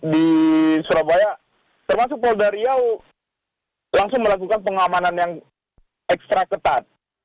di surabaya termasuk polda riau langsung melakukan pengamanan yang ekstra ketat